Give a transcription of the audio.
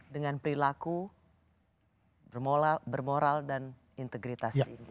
dengan perilaku bermoral dan integritas tinggi